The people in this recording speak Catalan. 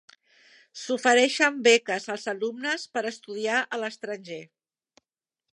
S'ofereixen beques als alumnes per estudiar a l'estranger.